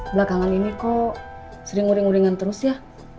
belakangan ini kok sering nguring nguringan terus ya